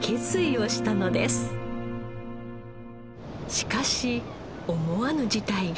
しかし思わぬ事態が。